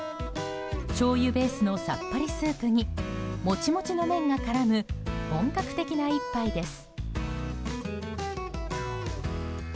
しょうゆベースのさっぱりスープにもちもちの麺が絡む本格的な一杯です。